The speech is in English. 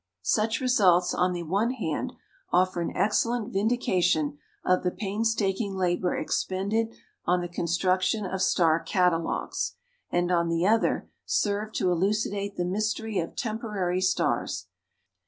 Such results, on the one hand, offer an excellent vindication of the painstaking labor expended on the construction of star catalogues, and, on the other, serve to elucidate the mystery of temporary stars.